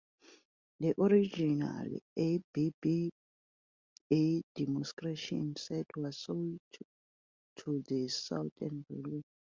The original A-B-B-A demonstrator set was sold to the Southern Railway.